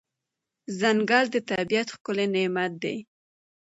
ځنګل د طبیعت ښکلی نعمت دی.